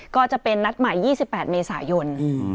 ก็จะเป็นนัดใหม่๒๘เมษายน